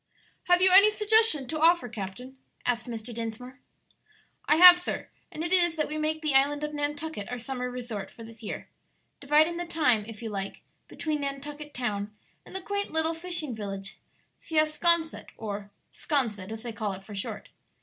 "Have you any suggestion to offer, captain?" asked Mr. Dinsmore. "I have, sir; and it is that we make the island of Nantucket our summer resort for this year, dividing the time, if you like, between Nantucket Town and the quaint little fishing village Siasconset, or 'Sconset, as they call it for short.